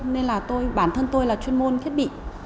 nên là tôi bản thân tôi là chuyên môn thiết bị